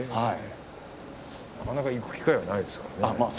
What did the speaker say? なかなか行く機会はないですね。